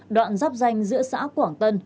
đoạn giáp danh giữa xã quảng tân